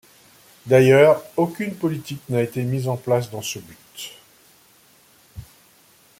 D'ailleurs, aucune politique n'a été mise en place dans ce but.